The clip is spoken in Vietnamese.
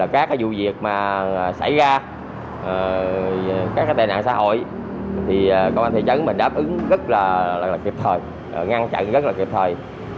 các vụ việc mà xảy ra các tệ nạn xã hội công an thị trấn đã đáp ứng rất là kịp thời ngăn chặn rất là kịp thời